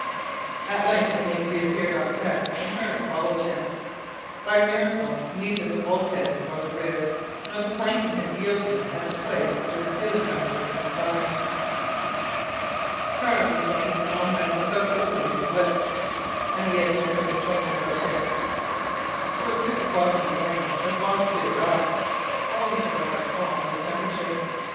At length the mate reappeared on deck and Hearne followed him! By a miracle, neither the bulkheads, nor the ribs, nor the planking had yielded at the place where the sealing master was confined. Hearne rejoined his comrades without opening his lips, and we had no further trouble about him. Towards six o'clock in the morning the fog cleared off, owing to a marked fall in the temperature.